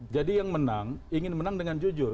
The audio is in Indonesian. jadi yang menang ingin menang dengan jujur